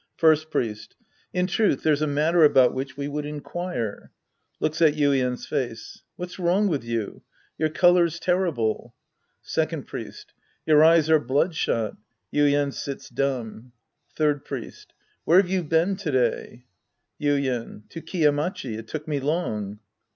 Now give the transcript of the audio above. Mrst Priest. In truth there's a matter about which we would inquire. {Looks at YviEd's face.) What's wrong with you ? Your color's terrible. Second Priest. Your eyes are bloodshot. (Yuien sits dumb.) Third Priest. Where' ve you been to day ? Yuien. To Kiya Machi. It took me long.